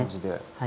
はい。